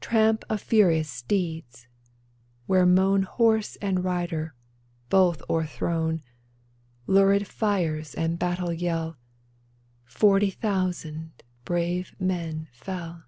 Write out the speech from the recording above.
Tramp of furious steeds, where moan Horse and rider, both o'erthrown. Lurid fires and battle yell, Forty thousand brave men fell